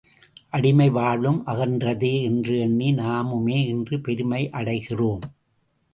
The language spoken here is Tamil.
அடிமை வாழ்வும் அகன்றதே! என்றே எண்ணி நாமுமே இன்று பெருமை அடைகிறோம்.